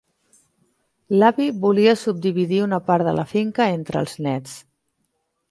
L'avi volia subdividir una part de la finca entre els nets.